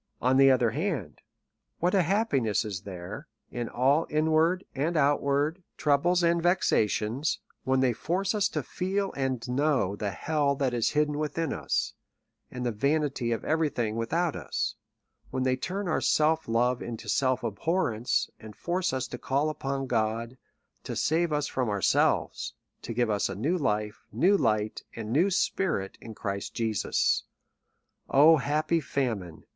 On the other hand, what a happiness is there in all inward and outward trou b4 XXIV SOME ACtOUNT OP bles and vexations, when they force us ib feel and know the hell that is hidden within us, and the vanity of every thing without us; when they turn our self love into self abhorrence, and force us to call upon God, to save us froir. ourselves, to giv€ us a new life, new lig'ht, and new spirit in Christ Jesus. O ^lappy famine!